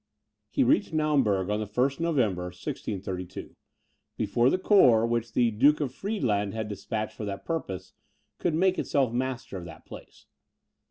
He reached Naumburg on the 1st November, 1632, before the corps, which the Duke of Friedland had despatched for that purpose, could make itself master of that place.